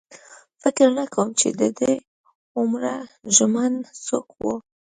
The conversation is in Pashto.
فکر نه کوم چې د ده هومره ژمن څوک و.